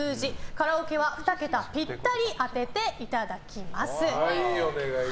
カラオケは２桁ぴったり当てていただきます。